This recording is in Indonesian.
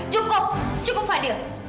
cukup cukup fadil